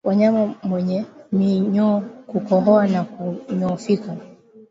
Wanyama wenye minyoo hukohoa na kunyoofika